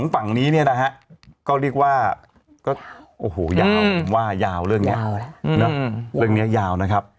ฝั่งนี้เนี่ยนะฮะก็เรียกว่าก็โอ้โหยาวผมว่ายาวเรื่องนี้เรื่องนี้ยาวนะครับ